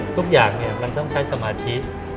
ทุกอย่างมันต้องใช้สมาธิ